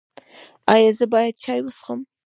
ایا زه باید چای وڅښم؟